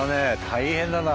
大変だな。